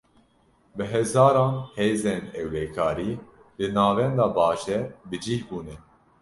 Bi hezaran hêzên ewlekarî, li navenda bajêr bi cih bûne